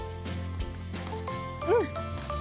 うん！